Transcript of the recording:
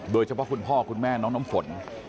โดยเฉพาะคุณพ่อคุณแม่น้องน้ำฝน